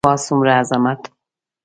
واه څومره عظمت.